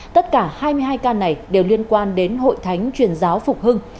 tất cả hai mươi hai ca này đều liên quan đến hội thánh truyền giáo phục hưng